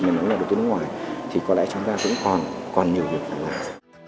nếu nhà đầu tư nước ngoài thì có lẽ chúng ta vẫn còn còn nhiều việc phải làm